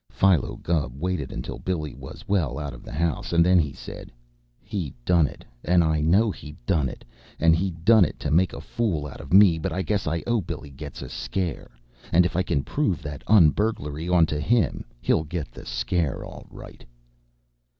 Philo Gubb waited until Billy was well out of the house, and then he said: "He done it, and I know he done it, and he done it to make a fool out of me, but I guess I owe Billy Getz a scare, and if I can prove that un burglary onto him, he'll get the scare all right!"